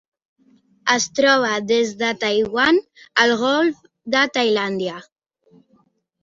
Es troba des de Taiwan al Golf de Tailàndia.